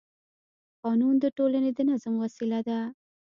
قانون د ټولنې د نظم وسیله ده